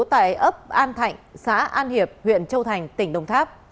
tại ấp an thạnh xã an hiệp huyện châu thành tỉnh đồng tháp